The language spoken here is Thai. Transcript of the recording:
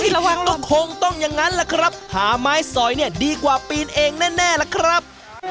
ระวังก็คงต้องอย่างนั้นแหละครับหาไม้สอยเนี่ยดีกว่าปีนเองแน่ล่ะครับ